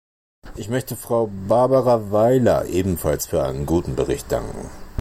Ich möchte Frau Barbara Weiler ebenfalls für einen guten Bericht danken.